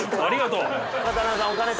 ありがとう！